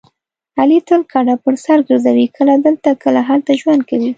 علي تل کډه په سر ګرځوي کله دلته کله هلته ژوند کوي.